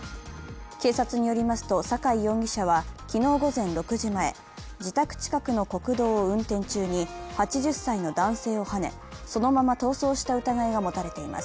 警察によりますと、酒井容疑者は昨日午前６時前、自宅近くの国道を運転中に８０歳の男性をはねそのまま逃走した疑いが持たれています。